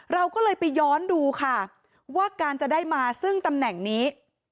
เราก็เลยไปย้อนดูค่ะว่าการจะได้มาซึ่งตำแหน่งนี้